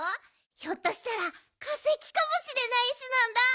ひょっとしたらかせきかもしれない石なんだ。